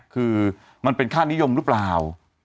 คือมันเป็นค่านิยมหรือเปล่า